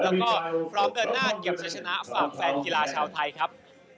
แล้วก็พร้อมเดินหน้าเก็บใช้ชนะฝากแฟนกีฬาชาวไทยครับ